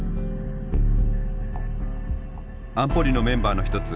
安保理のメンバーの一つ